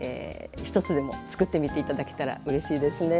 １つでもつくってみて頂けたらうれしいですね。